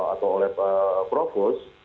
atau oleh pemina oto